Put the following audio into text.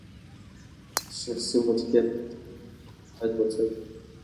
شخصي ملکیت د ټولني د پرمختګ بنسټ دی.